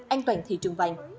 an toàn thị trường vàng